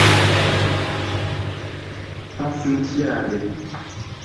pasintjare